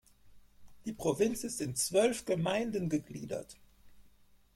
Die Provinz ist in zwölf Gemeinden gegliedert.